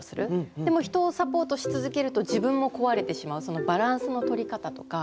でも人をサポートし続けると自分も壊れてしまうそのバランスの取り方とか。